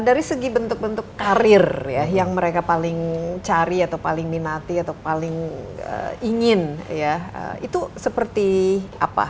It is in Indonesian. jadi dari segi bentuk bentuk karir ya yang mereka paling cari atau paling minati atau paling ingin itu seperti apa